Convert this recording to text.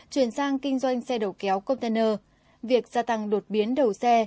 chuyển sang kinh doanh xe đầu kéo container việc gia tăng đột biến đầu xe